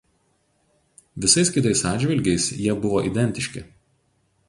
Visais kitais atžvilgiais jie buvo identiški.